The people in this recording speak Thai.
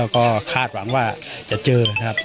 ก็คาดหวังว่าจะเจอนะครับ